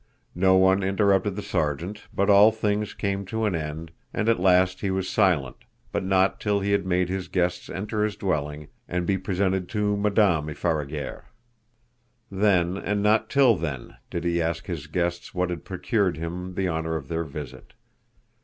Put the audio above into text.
No one interrupted the Sergeant, but all things come to an end, and at last he was silent, but not till he had made his guests enter his dwelling, and be presented to Madame Ipharaguerre. Then, and not till then, did he ask his guests what had procured him the honor of their visit.